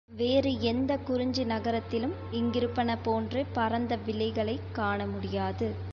வேறு எந்தக் குறிஞ்சி நகரத்திலும் இங்கிருப்பன போன்று பரந்த வெளிகளைக் காண முடியாது.